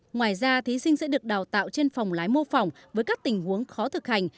ngoài ra thí sinh sẽ được đào tạo trên phòng lái mô phòng với các tình huống khó thực hành